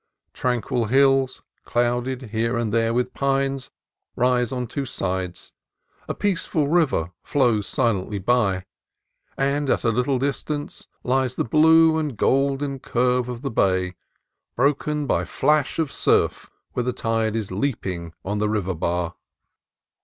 Tran quil hills, clouded here and there with pines, rise on two sides ; a peaceful river flows silently by ; and at a little distance lies the blue and golden curve of the bay, broken by flash of surf where the tide is leaping on the river bar.